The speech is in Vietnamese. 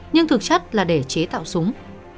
nhưng thực chất là để chế tạo súng